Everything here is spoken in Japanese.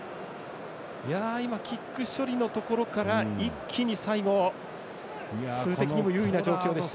キック処理のところから一気に最後数的にも優位な状況でした。